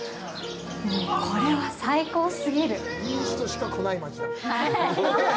もうこれは最高すぎる！